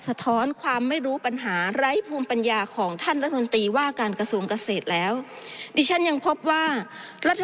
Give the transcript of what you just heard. สะท้อนความไม่รู้ปัญหาไร้ภูมิปัญญาของท่านรัฐมนตรีว่าการกระทรวงเกษตรแล้วดิฉันยังพบว่ารัฐ